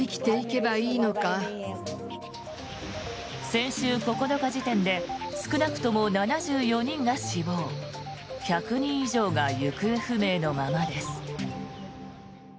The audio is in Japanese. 先週９日時点で少なくとも７４人が死亡１００人以上が行方不明のままです。